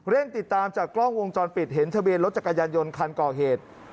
ติดตามจากกล้องวงจรปิดเห็นทะเบียนรถจักรยานยนต์คันก่อเหตุ